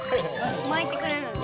巻いてくれるの。